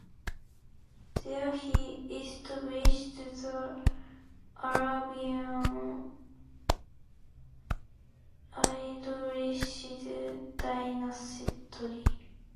There he established the Arabian Idrisid dynasty.